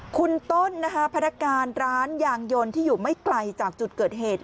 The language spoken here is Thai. คุณต้นนะคะพนักการร้านยางยนต์ที่อยู่ไม่ไกลจากจุดเกิดเหตุ